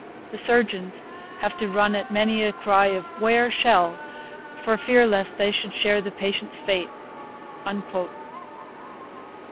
The surgeons have to run at many a cry of 'Ware Shell! for fear lest they should share the patients' fate.'